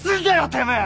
てめえ！